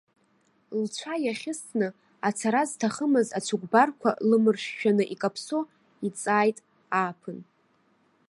Лцәа иахьысны, ацара зҭахымыз ацәыкәбарқәа лымыршәшәаны икаԥсо, иҵааит ааԥын.